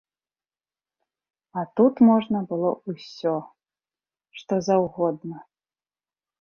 А тут можна было ўсё, што заўгодна.